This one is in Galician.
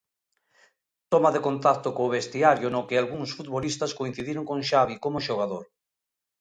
Toma de contacto co vestiario no que algúns futbolistas coincidiron con Xavi como xogador.